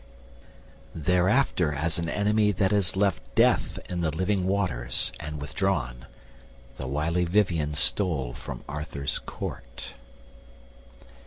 Thereafter as an enemy that has left Death in the living waters, and withdrawn, The wily Vivien stole from Arthur's court.